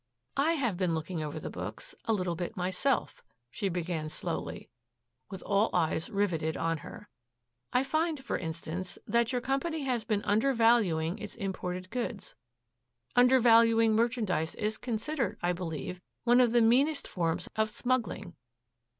"I have been looking over the books a little bit myself," she began slowly, with all eyes riveted on her. "I find, for instance, that your company has been undervaluing its imported goods. Undervaluing merchandise is considered, I believe, one of the meanest forms of smuggling.